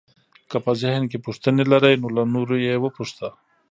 که په ذهن کې پوښتنې لرئ نو له نورو یې وپوښته.